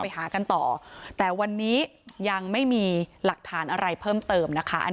หากันต่อแต่วันนี้ยังไม่มีหลักฐานอะไรเพิ่มเติมนะคะ